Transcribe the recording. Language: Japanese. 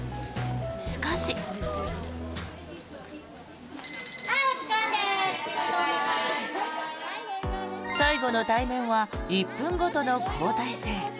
しかし。最後の対面は１分ごとの交代制。